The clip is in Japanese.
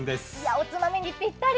おつまみにぴったり。